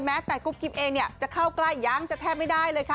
แม้แต่กุ๊กกิ๊บเองเนี่ยจะเข้าใกล้ยังจะแทบไม่ได้เลยค่ะ